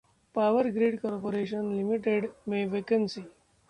power grid corporation limited में vacancy